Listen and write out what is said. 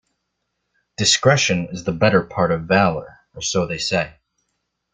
Discretion is the better part of valour, or so they say.